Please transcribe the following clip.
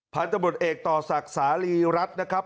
พันธบทเอกต่อศักดิ์สาลีรัฐนะครับ